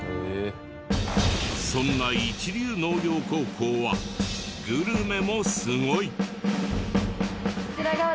そんな一流農業高校はグルメもすごい！